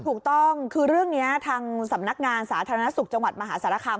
ถูกต้องคือเรื่องนี้ทางสำนักงานสาธารณสุขจังหวัดมหาสารคาม